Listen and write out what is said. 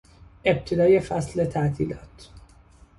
ابتدای فصل تعطیلات